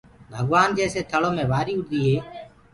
ڀگوآن جيسي ٿݪو مي وآريٚ اُڏديٚ هي